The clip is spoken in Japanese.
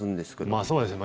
まあそうですよね。